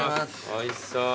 おいしそう。